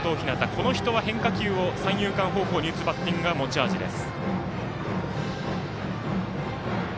この人は変化球を三遊間方向に打つバッティングが持ち味です。